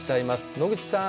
野口さん